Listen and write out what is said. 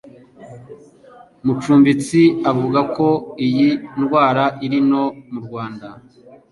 Mucumbitsi avuga ko iyi ndwara iri no mu Rwanda